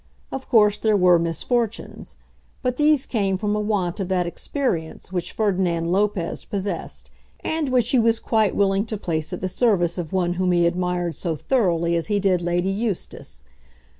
Of course there were misfortunes. But these came from a want of that experience which Ferdinand Lopez possessed, and which he was quite willing to place at the service of one whom he admired so thoroughly as he did Lady Eustace.